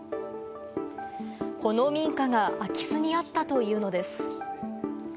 この民家が空き巣に遭ったというのです。